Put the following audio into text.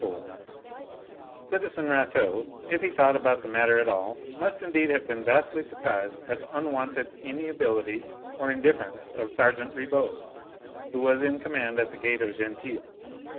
IV Citizen Rateau, if he thought about the matter at all, must indeed have been vastly surprised at the unwonted amiability or indifference of sergeant Ribot, who was in command at the gate of Gentilly.